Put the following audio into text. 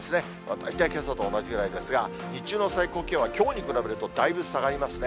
大体けさと同じぐらいですが、日中の最高気温はきょうに比べるとだいぶ下がりますね。